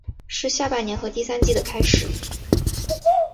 是下半年和第三季的开始。